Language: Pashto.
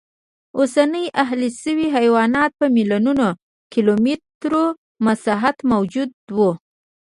اوسني اهلي شوي حیوانات په میلیونونو کیلومترو مساحت موجود و